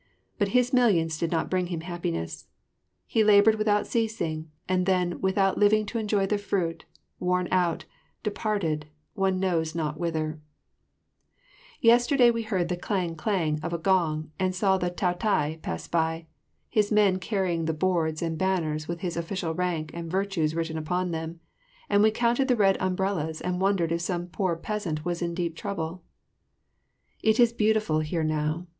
But his millions did not bring him happiness. He laboured without ceasing, and then without living to enjoy the fruit, worn out, departed, one knows not whither. [Illustration: Mylady03.] [Illustration: Mylady04.] Yesterday we heard the clang clang of a gong and saw the Taotai pass by, his men carrying the boards and banners with his official rank and virtues written upon them, and we counted the red umbrellas and wondered if some poor peasant was in deep trouble. It is beautiful here now.